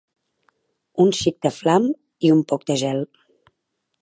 Un xic de flam i un poc de gel.